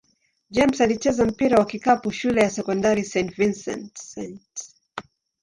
James alicheza mpira wa kikapu shule ya sekondari St. Vincent-St.